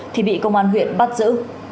thì bị công an huyện bắt giữ